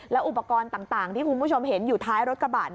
อุปกรณ์ต่างที่คุณผู้ชมเห็นอยู่ท้ายรถกระบะ